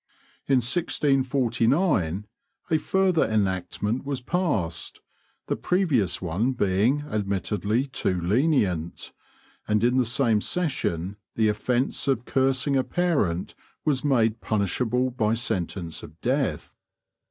In 1649 a further enactment was passed, the previous one being admittedly too lenient, and in the same session the offence of cursing a parent was made punishable by sentence of death.